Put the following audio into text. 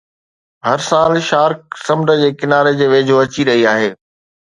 هر سال شارڪ سمنڊ جي ڪناري جي ويجهو اچي رهي آهي